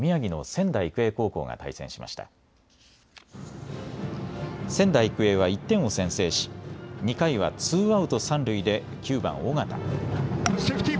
仙台育英は１点を先制し２回はツーアウト三塁で９番・尾形。